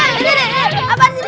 ini ini ini apaan sih